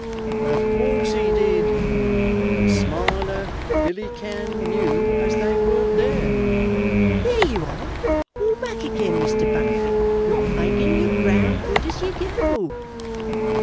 "Of course he did, and Smiler and Billy Cann knew as they weren't there." "There you are, all back again, Mr. Bunfit, not making your ground good as you go.